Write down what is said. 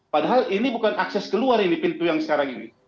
padahal ini bukan akses keluar ini pintu yang sekarang ini